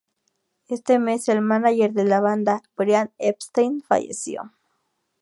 Ese mes, el mánager de la banda, Brian Epstein, falleció.